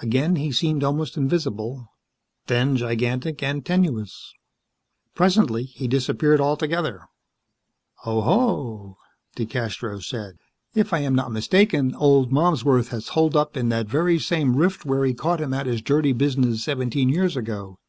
Again he seemed almost invisible; then gigantic and tenuous. Presently he disappeared altogether. "Oho!" DeCastros said, "If I am not mistaken, old Malmsworth has holed up in that very same rift where we caught him at his dirty business seventeen years ago.